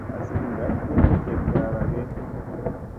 Azi ngat ki ni slek ta ara ge.